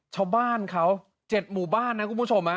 ชาวบ้านเขา๗หมู่บ้านนะคุณผู้ชม